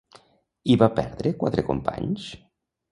Hi va perdre quatre companys?